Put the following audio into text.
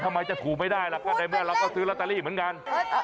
ทำไมจะถูกไม่ได้ใดเมื่อก็ซื้อลอตาลีเหมือนกัน